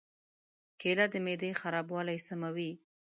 کېله د معدې خرابوالی سموي.